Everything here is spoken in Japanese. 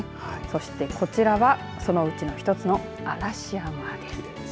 そして、こちらはそのうちの１つの嵐山です。